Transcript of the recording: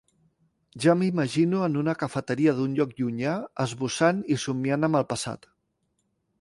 Ja m'imagino en una cafeteria d'un lloc llunyà, esbossant i somiant amb el passat.